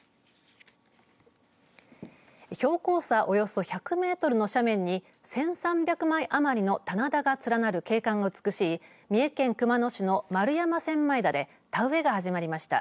標高差およそ１００メートルの斜面に１３００枚余りの棚田が連なる景観の美しい三重県熊野市の丸山千枚田で田植えが始まりました。